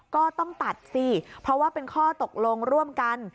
ก็ต้องตัดสิเพราะว่าเป็นข้อตกลงร่วมกัน